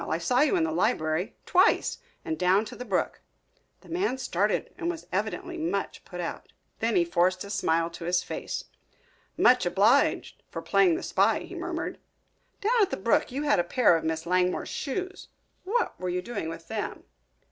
I saw you in the library, twice, and down to the brook." The man started and was evidently much put out. Then he forced a smile to his face. "Much obliged for playing the spy," he murmured. "Down at the brook you had a pair of Miss Langmore's shoes. What were you doing with them?"